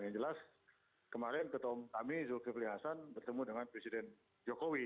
yang jelas kemarin ketua umum kami zulkifli hasan bertemu dengan presiden jokowi